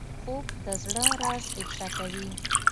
خوب د زړه راز افشا کوي